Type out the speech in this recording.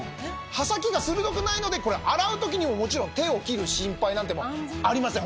・刃先が鋭くないので洗う時にももちろん手を切る心配なんてありません